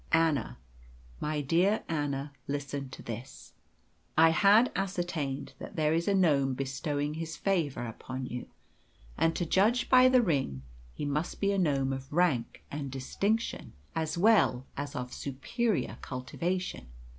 Anna, my dear Anna, listen to this. I had ascertained that there is a gnome bestowing his favour upon you, and to judge by the ring he must be a gnome of rank and distinction, as well as of superior cultivation.